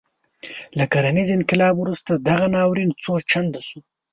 له کرنیز انقلاب وروسته دغه ناورین څو چنده شو.